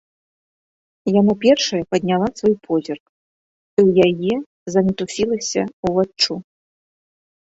Яна першая падняла свой позірк, і ў яе замітусілася ўваччу.